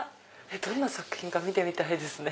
どんな作品か見てみたいですね。